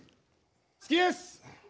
好きです！